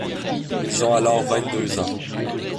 Ils ont alors vingt-deux ans.